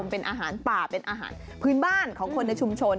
เป็นอาหารป่าเป็นอาหารพื้นบ้านของคนในชุมชน